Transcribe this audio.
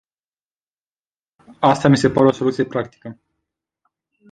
Mie, asta mi se pare o soluție practică.